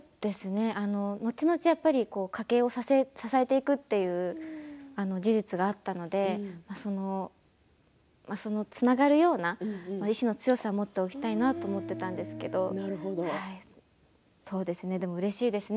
のちのち、やっぱり家計を支えていくという事実があったのでつながるような意志の強さを持っておきたいなと思っていたんですけどでも、うれしいですね。